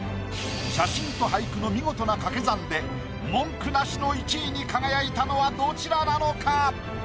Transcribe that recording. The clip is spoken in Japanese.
写真と俳句の見事な掛け算で文句なしの１位に輝いたのはどちらなのか？